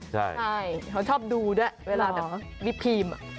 ใช่เขาชอบดูด้วยเวลาแบบวิปครีม